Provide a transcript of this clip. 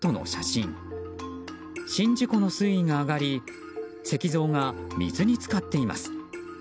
宍道湖の水位が上がり石像が水に浸かっています。